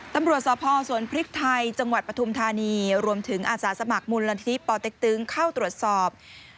ตำรวจสพสวนพริกไทยจังหวัดปฐุมธานีรวมถึงอาสาสมัครมูลนิธิปอเต็กตึงเข้าตรวจสอบ